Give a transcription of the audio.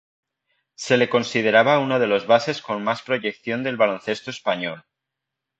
Se le consideraba uno de los bases con más proyección del baloncesto español.